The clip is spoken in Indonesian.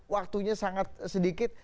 waktunya sangat sedikit